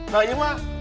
nah ini mah